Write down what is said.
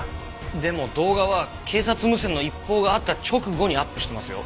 でも動画は警察無線の一報があった直後にアップしてますよ？